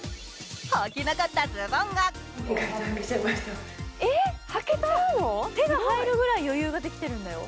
はけなかったズボンが手が入るぐらい余裕ができてるんだよ。